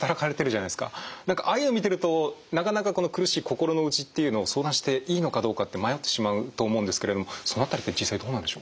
何かああいうのを見てるとなかなかこの苦しい心の内っていうのを相談していいのかどうかって迷ってしまうと思うんですけれどもその辺りって実際どうなんでしょうか？